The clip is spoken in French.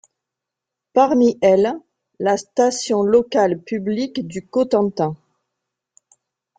Parmi elles, la station locale publique du Cotentin.